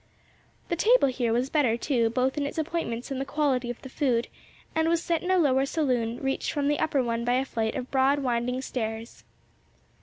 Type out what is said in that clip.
The table here was better, too, both in its appointments and the quality of the food, and was set in a lower saloon, reached from the upper one by a flight of broad winding stairs.